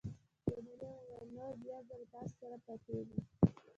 جميلې وويل: نو بیا زه له تا سره پاتېږم.